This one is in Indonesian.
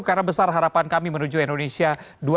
karena besar harapan kami menuju indonesia dua ribu empat puluh lima